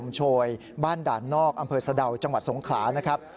บ้านด่านนอกอำเภอสะดาวจังหวัดสงขลานะครับ